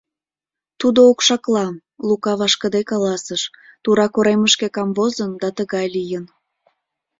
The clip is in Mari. — Тудо окшакла, — Лука вашкыде каласыш, — тура коремышке камвозын да тыгай лийын.